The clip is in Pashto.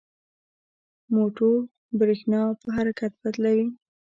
موټور برېښنا په حرکت بدلوي.